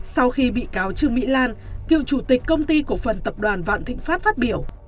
sau khi bị cáo trương mỹ lan cựu chủ tịch công ty cổ phần tập đoàn vạn thịnh pháp phát biểu